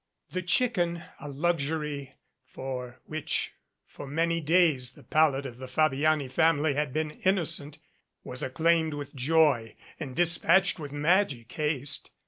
The chicken, a luxury, for which for many days the palate of the Fabiani family had been innocent, was acclaimed with joy and dispatched with 146 THE FABIANI FAMILY magic haste.